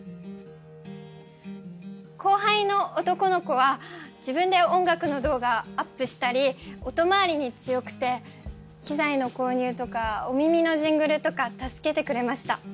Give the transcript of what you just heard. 後輩の男の子は自分で音楽の動画アップしたり音周りに強くて機材の購入とか「お耳」のジングルとか助けてくれました。